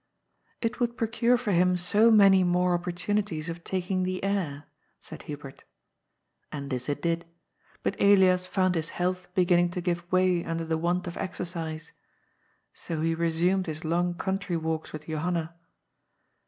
"It would procure for him so many more opportunities of taking the air,'' said Hubert. And this it did, but Elias found his health beginning to give way under the want of exercise. So he resumed his long country walks with Johanna.